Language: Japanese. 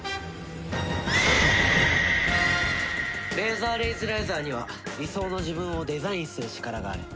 レーザーレイズライザーには理想の自分をデザインする力がある。